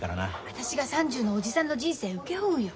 私が３０のおじさんの人生請け負うよ。